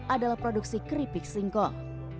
adalah produksi keripik singkong